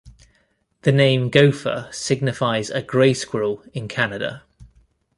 The name gopher signifies a gray squirrel in Canada.